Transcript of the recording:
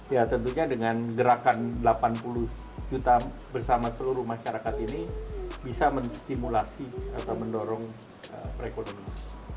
ya tentunya dengan gerakan delapan puluh juta bersama seluruh masyarakat ini bisa menstimulasi atau mendorong perekonomian